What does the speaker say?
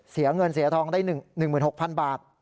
เสียเงินเสียทองได้๑๖๐๐๐บาท